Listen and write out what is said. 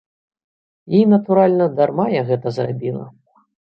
І, натуральна, дарма я гэта зрабіла.